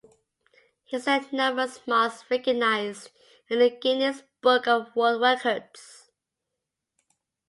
He set numerous marks recognized in the Guinness Book of World Records.